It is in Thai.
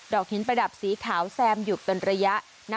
อกหินประดับสีขาวแซมอยู่เป็นระยะ